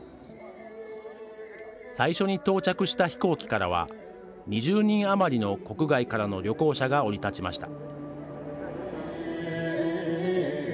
最初に到着した飛行機からは２０人余りの国外からの旅行者が降り立ちました。